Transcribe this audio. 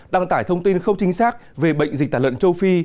đăng tải thông tin không chính xác về bệnh dịch tả lợn châu phi